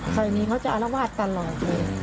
ซอยนี้เขาจะอรวาสตลอดเลย